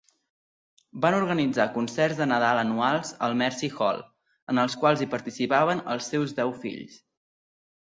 Van organitzar concerts de Nadal anuals al Mercy Hall, en els quals hi participaven els seus deu fills.